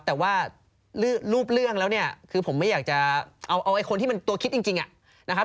แต่ว่ารูปเรื่องแล้วเนี่ยคือผมไม่อยากจะเอาไอ้คนที่มันตัวคิดจริงนะครับ